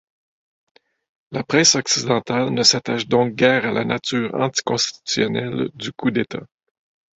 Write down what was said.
La presse occidentale ne s'attache donc guère à la nature anticonstitutionnelle du coup d'État.